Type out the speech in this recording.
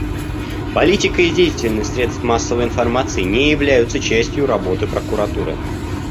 Политика и деятельность средств массовой информации не являются частью работы Прокуратуры.